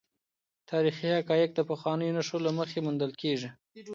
تاریخي حقایق د پخوانیو نښو له مخې موندل کیږي.